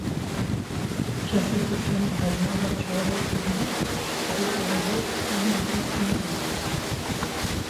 Kesê ku tenê hejmara çarê bibîne dê ev mirov rengê kesk nebîne.